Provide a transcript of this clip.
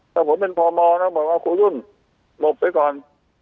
ถ้าผมเป็นพมนะบอกว่าครูรุ่นหลบไปก่อน